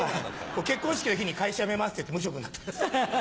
結婚式の日に「会社辞めます」って言って無職になったんです。